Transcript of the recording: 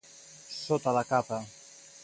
Sota la capa.